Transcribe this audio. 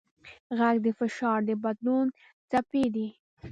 غږ د فشار د بدلون څپې دي.